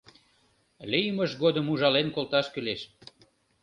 Лиймыж годым ужален колташ кӱлеш.